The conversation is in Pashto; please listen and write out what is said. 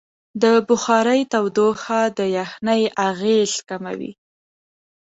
د بخارۍ تودوخه د یخنۍ اغېز کموي.